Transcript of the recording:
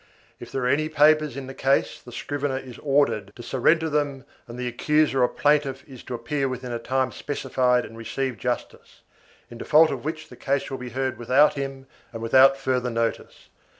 If there are any papers in the case the scrivener is ordered to surrender them, and the accuser or plaintiff is to appear within a time specified and receive justice, in default of which the case will be heard without him and without further notice.